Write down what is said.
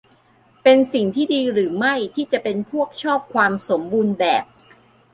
เป็นสิ่งที่ดีหรือไม่ที่จะเป็นพวกชอบความสมบูรณ์แบบ ?